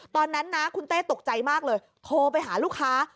ตอนนั้นนะคุณเต้ตกใจมากเลยโทรไปหาลูกค้า